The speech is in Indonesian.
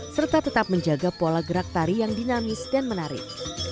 serta tetap menjaga pola gerak tari yang dinamis dan menarik